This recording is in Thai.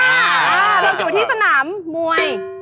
เราจะเป็นสนามมวย